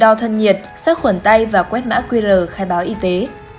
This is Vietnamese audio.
đo thân nhiệt sát khuẩn tay và quét mã qr khai báo y tế